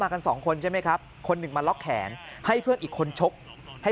กันสองคนใช่ไหมครับคนหนึ่งมาล็อกแขนให้เพื่อนอีกคนชกให้